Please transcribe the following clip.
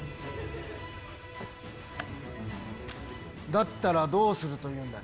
だったら、どうするというんだね。